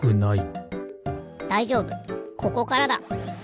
だいじょうぶここからだ。